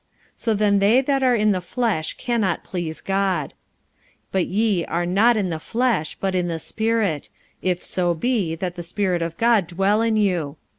45:008:008 So then they that are in the flesh cannot please God. 45:008:009 But ye are not in the flesh, but in the Spirit, if so be that the Spirit of God dwell in you.